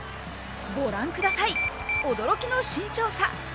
ご覧ください、驚きの身長差。